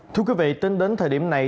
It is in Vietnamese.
thưa quý vị tính đến thời điểm này